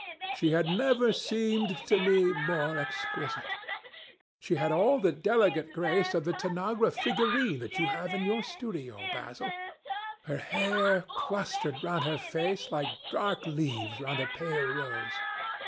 She had never seemed to me more exquisite. She had all the delicate grace of that Tanagra figurine that you have in your studio, Basil. Her hair clustered round her face like dark leaves round a pale rose.